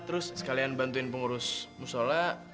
terus sekalian bantuin pengurus musola